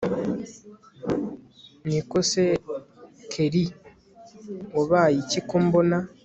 niko se kelli wabayiki ko mbona